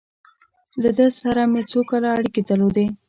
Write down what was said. له ده سره مې څو کاله اړیکې درلودې.